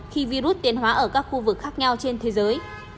khi virus tiến hóa ở các khu vực khác nhau trên thế giới